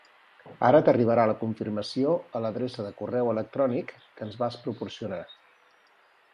Ara t'arribarà la confirmació a l'adreça de correu electrònic que ens vas proporcionar.